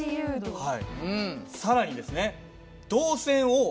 はい。